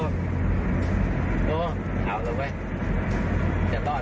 เมาไหม